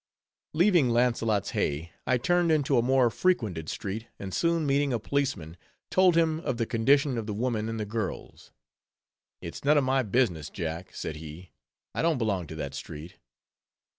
Leaving Launcelott's Hey, I turned into a more frequented street; and soon meeting a policeman, told him of the condition of the woman and the girls. "It's none of my business, Jack," said he. "I don't belong to that street."